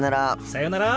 さよなら。